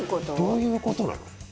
どういう事なの？